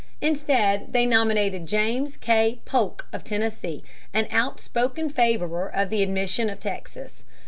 Instead they nominated James K. Polk of Tennessee, an outspoken favorer of the admission of Texas.